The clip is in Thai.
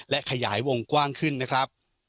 และขยายวงกว้างขึ้นนะครับ